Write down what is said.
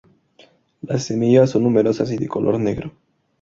Las semillas son numerosas y de color negro.